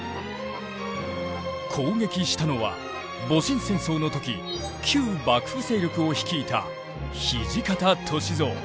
攻撃したのは戊辰戦争の時旧幕府勢力を率いた土方歳三。